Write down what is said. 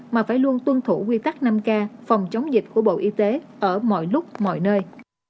mà phải luôn tuân thủ quy tắc năm k phòng chống dịch của bộ y tế ở mọi lúc mọi nơi